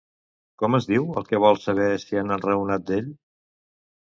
Com es diu el que vol saber si han enraonat d'ell?